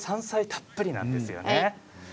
たっぷりなんですよね。